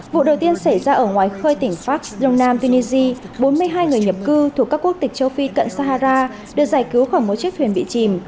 vụ đầu tiên xảy ra ở ngoài khơi tỉnh fax rồng nam tunisia bốn mươi hai người nhập cư thuộc các quốc tịch châu phi cận sahara được giải cứu khỏi một chiếc thuyền bị chìm